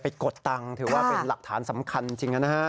กดตังค์ถือว่าเป็นหลักฐานสำคัญจริงนะฮะ